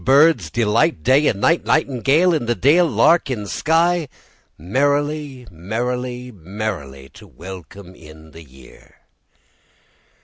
Birds delight, Day and night, Nightingale, In the dale, Lark in sky,— Merrily, Merrily, merrily to welcome in the year.